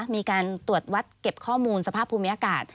มีการตรวจวัดเก็บข้อมูลสภาพภูมิอากาศ